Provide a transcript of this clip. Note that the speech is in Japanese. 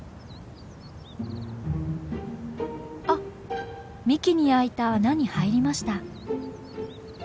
あっ幹に開いた穴に入りました。